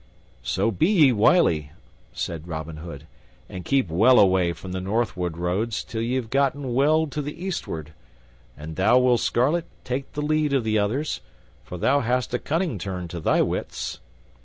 "So, be ye wily," said Robin Hood, "and keep well away from the northward roads till ye have gotten well to the eastward. And thou, Will Scarlet, take the lead of the others, for thou hast a cunning turn to thy wits."